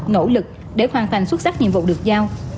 nỗ lực để hoàn thành xuất sắc nhiệm vụ được giao